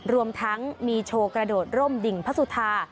รวมทั้งมีโชว์กระโดดร่มดิ่งพระสุธา